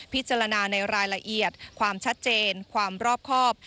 พิจารณาในรายละเอียดความชัดเจนความรอบครอบ